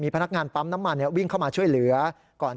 พนักงานปั๊มน้ำมันวิ่งเข้ามาช่วยเหลือก่อน